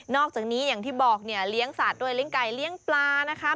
อกจากนี้อย่างที่บอกเนี่ยเลี้ยงสัตว์ด้วยเลี้ยงไก่เลี้ยงปลานะคะ